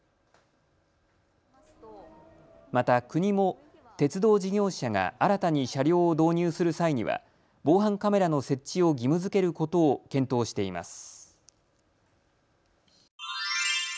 また国も鉄道事業者が新たに車両を導入する際には防犯カメラの設置を義務づけることを検討しています。